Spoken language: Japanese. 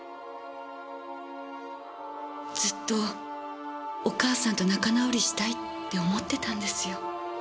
ずっとお母さんと仲直りしたいって思ってたんですよ。